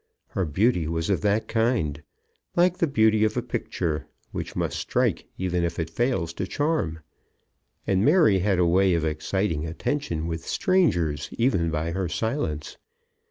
Her beauty was of that kind, like the beauty of a picture, which must strike even if it fails to charm. And Mary had a way of exciting attention with strangers, even by her silence.